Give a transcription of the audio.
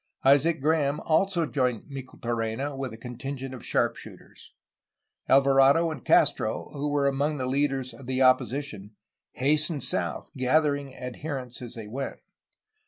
Isaac Graham also joined Micheltorena with a con tingent of sharp shooters. Alvarado and Castro, who were among the leaders of the opposition, hastened south, gath ering adherents as they went.